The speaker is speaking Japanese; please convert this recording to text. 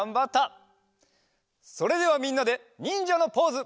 それではみんなでにんじゃのポーズ！